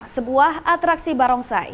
sebuah atraksi barongsai